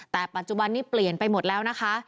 แต่ปัจจุบันนี้เปลี่ยนไปหมดแล้วนะคะ